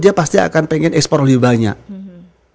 dia pasti akan pengen ekspor lebih banyak